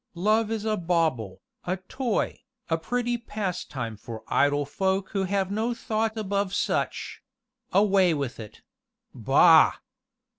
Love is a bauble a toy, a pretty pastime for idle folk who have no thought above such away with it! Bah!"